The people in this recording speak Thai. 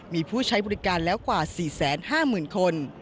มีผู้ใช้บริการแล้วกว่า๔๕๐๐๐คน